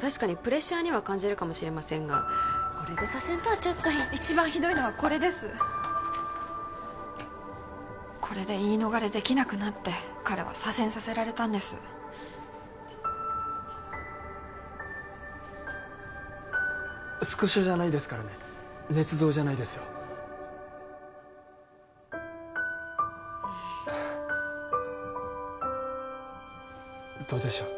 確かにプレッシャーには感じるかもしれませんがこれで左遷とはちょっと一番ひどいのはこれですこれで言い逃れできなくなって彼は左遷させられたんですスクショじゃないですからねねつ造じゃないですよどうでしょう？